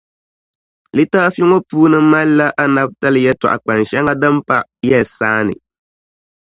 Litaafi ŋɔ puuni malila anabitali yɛtɔɣ’ kpan’ shɛŋa din pa yɛlisaani.